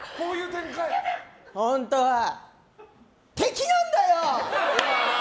本当は敵なんだよ！